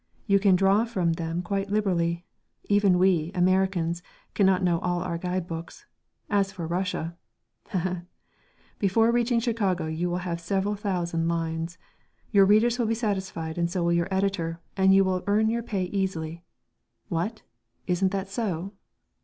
You can draw from them quite liberally. Even we, Americans, cannot know all our guide books, as for Russia.... Heh heh! Before reaching Chicago you will have several thousand lines.... Your readers will be satisfied, and so will your editor and you will earn your pay easily.... What?... Isn't that so?"